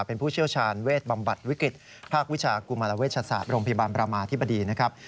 เป็นผู้เชี่ยวชาญเวทบำบัดวิกฤตภาควิชากุมารเวชศาสตร์โรงพยาบาลประมาธิบดีนะครับ